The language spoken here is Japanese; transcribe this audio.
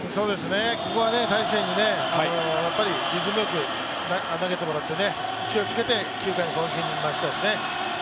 ここは大勢にリズムよく投げてもらって、勢いつけて９回の攻撃に回したいですね。